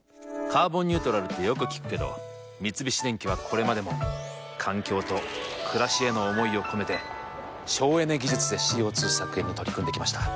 「カーボンニュートラル」ってよく聞くけど三菱電機はこれまでも環境と暮らしへの思いを込めて省エネ技術でＣＯ２削減に取り組んできました。